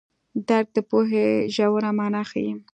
درک د پوهې ژوره مانا ښيي.